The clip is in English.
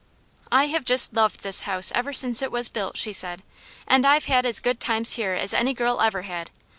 "I have just loved this house ever since it was built," she said, "and I've had as good times here as any girl ever had.